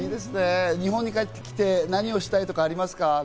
日本に帰ってきて何をしたいとかありますか？